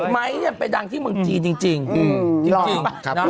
ไม่ใช่ไม่ยังดังที่เมืองจีนจริง